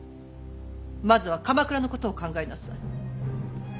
まずは鎌倉のことを考えなさい。